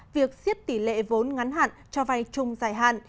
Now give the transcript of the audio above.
việc xiết tỷ lệ vốn ngắn hạn cho vay chung giải hạn